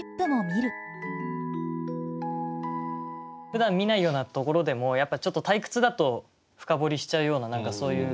ふだん見ないようなところでもやっぱちょっと退屈だと深掘りしちゃうような何かそういう。